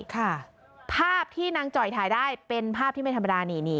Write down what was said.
ภาพที่นางจ่อยถ่ายได้เป็นภาพที่ไม่ธรรมดานี่นี่